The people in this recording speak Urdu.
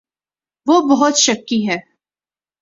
وہ بہت شکی ہے